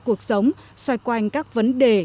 cuộc sống xoay quanh các vấn đề